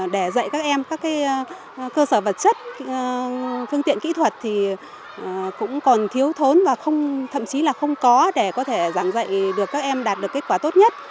để dạy các em các cơ sở vật chất phương tiện kỹ thuật thì cũng còn thiếu thốn và thậm chí là không có để có thể giảng dạy được các em đạt được kết quả tốt nhất